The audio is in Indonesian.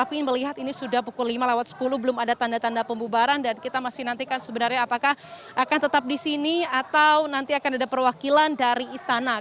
tapi melihat ini sudah pukul lima lewat sepuluh belum ada tanda tanda pembubaran dan kita masih nantikan sebenarnya apakah akan tetap di sini atau nanti akan ada perwakilan dari istana